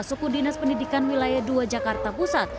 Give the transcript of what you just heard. suku dinas pendidikan wilayah dua jakarta pusat